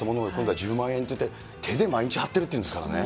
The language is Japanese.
１０万円って、手で毎日貼ってるというんですからね。